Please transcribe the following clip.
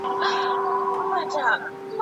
که موضوع ګټوره وي نو هر څوک یې په مینه لولي.